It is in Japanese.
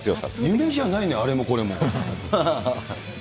夢じゃないのよ、あれもこれも。